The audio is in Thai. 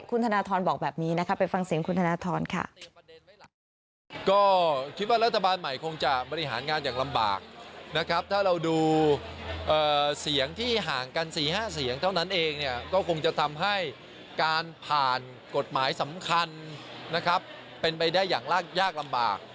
คุณธนทรบอกแบบนี้นะคะไปฟังเสียงคุณธนทรค่ะ